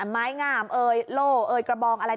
ไม้งามเอ่ยโล่เอ่ยกระบองอะไร